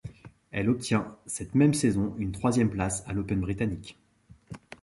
Elle obtient cette même saison une troisième place à l'Open britannique.